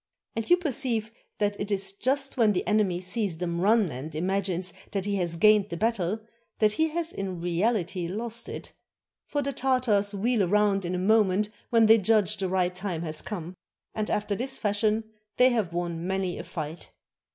And you perceive that it is just when the enemy sees them run and imagines that he has gained the battle, that he has in reahty lost it; for the Tartars wheel round in a moment when they judge the right time has come. And after this fashion they have won many a fight.